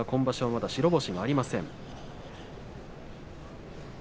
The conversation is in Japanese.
まだ白星がありません。